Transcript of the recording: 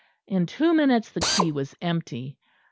In two minutes the quay was empty.